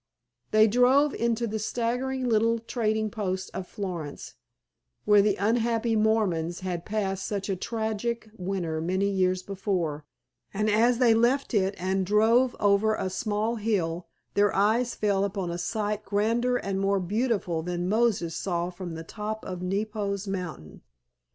They drove into the straggling little trading post of Florence, where the unhappy Mormons had passed such a tragic winter many years before, and as they left it and drove over a small hill their eyes fell upon a sight grander and more beautiful than Moses saw from the top of Nebo's Mountain.